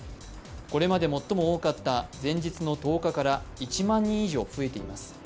これまで最も多かった前日の１０日から１万人以上増えています。